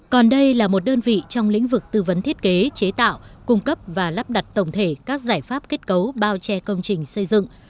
còn đây là một đơn vị trong lĩnh vực tư vấn thiết kế chế tạo cung cấp và lắp đặt tổng thể các giải pháp kết cấu bao che công trình xây dựng